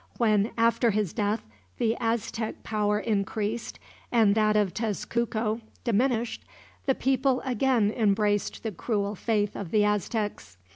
When, after his death, the Aztec power increased, and that of Tezcuco diminished, the people again embraced the cruel faith of the Aztecs.